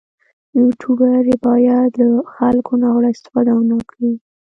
یوټوبر باید له خلکو ناوړه استفاده ونه کړي.